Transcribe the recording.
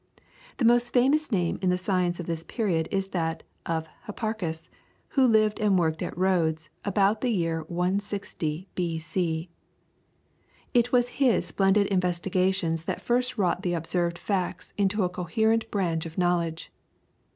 The most famous name in the science of this period is that of Hipparchus who lived and worked at Rhodes about the year 160BC. It was his splendid investigations that first wrought the observed facts into a coherent branch of knowledge.